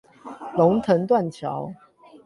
龍騰斷橋